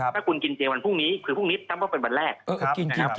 ถ้าคุณกินเจวันพรุ่งนี้คือพรุ่งนี้ตั้งแต่ว่าเป็นวันแรก